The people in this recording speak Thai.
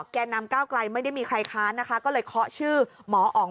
แก่นำก้าวไกลไม่ได้มีใครค้านนะคะก็เลยเคาะชื่อหมออ๋อง